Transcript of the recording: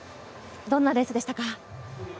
どんなレースでしたか？